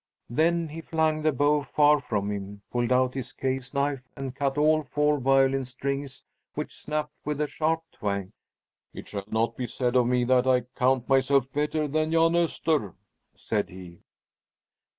Then he flung the bow far from him, pulled out his case knife, and cut all four violin strings, which snapped with a sharp twang. "It shall not be said of me that I count myself better than Jan Öster!" said he.